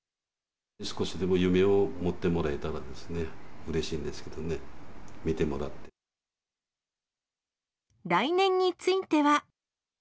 少しでも夢を持ってもらえたらですね、うれしいんですけどね、来年については。